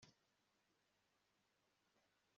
ni ukuvuga kimwe cya kabiri cy'itasi